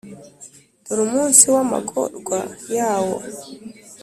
dore umunsi w’amagorwa yawo